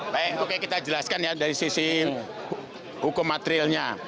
baik oke kita jelaskan ya dari sisi hukum materialnya